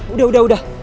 udah udah udah